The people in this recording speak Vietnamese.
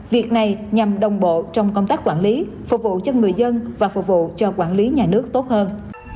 việc này nhằm đồng bộ trong công tác quản lý phục vụ cho người dân và phục vụ cho quản lý nhà nước tốt hơn